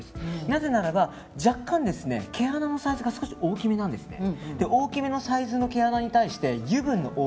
なぜならば、若干毛穴のサイズが大きめなんですね。